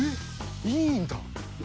いいんだ？